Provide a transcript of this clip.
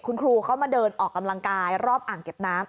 คุณครูเขามาเดินออกกำลังกายรอบอ่างเก็บน้ำ